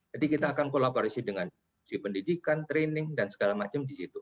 jadi kita akan kolaborasi dengan pendidikan training dan segala macam di situ